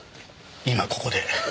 今ここで。